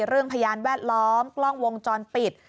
เรื่องพยานแวดล้อมกล้องวงจอนปิด